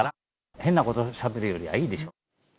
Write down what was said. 変なことしゃべるよりはいいでしょう。